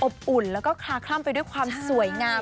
อุ่นแล้วก็คลาคล่ำไปด้วยความสวยงาม